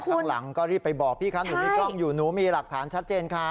ข้างหลังก็รีบไปบอกพี่คะหนูมีกล้องอยู่หนูมีหลักฐานชัดเจนค่ะ